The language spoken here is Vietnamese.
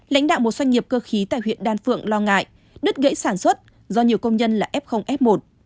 lãnh đạo một doanh nghiệp cơ khí tại huyện đan phượng lo ngại đứt gãy sản xuất do nhiều công nhân là f f một